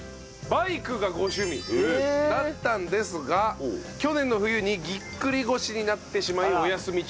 バイクがご趣味だったんですが去年の冬にぎっくり腰になってしまいお休み中。